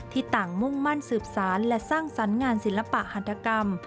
ต่างมุ่งมั่นสืบสารและสร้างสรรค์งานศิลปะหัฐกรรม